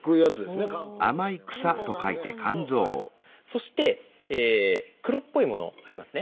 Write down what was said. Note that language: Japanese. そして黒っぽいものありますね。